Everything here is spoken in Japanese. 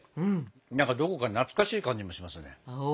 何かどこか懐かしい感じもしますね。